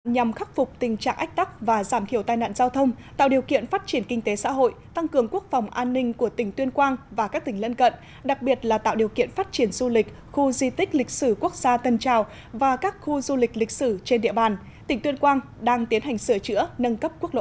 nhằm khắc phục tình trạng ách tắc và giảm thiểu tai nạn giao thông tạo điều kiện phát triển kinh tế xã hội tăng cường quốc phòng an ninh của tỉnh tuyên quang và các tỉnh lân cận đặc biệt là tạo điều kiện phát triển du lịch khu di tích lịch sử quốc gia tân trào và các khu du lịch lịch sử trên địa bàn tỉnh tuyên quang đang tiến hành sửa chữa nâng cấp quốc lộ một